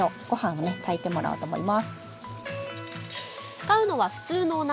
使うのは普通のお鍋。